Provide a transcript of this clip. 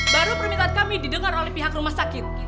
baru permintaan kami didengar oleh pihak rumah sakit